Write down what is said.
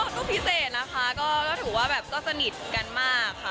ก็พิเศษนะคะก็ถือว่าแบบก็สนิทกันมากค่ะ